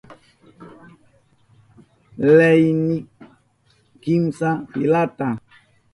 Leyinki kimsa filata.